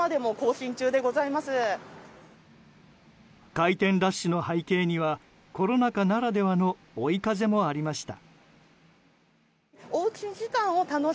開店ラッシュの背景にはコロナ禍ならではの追い風もありました。